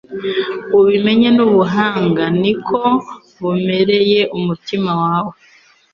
Ubimenye n’ubuhanga ni ko bumereye umutima wawe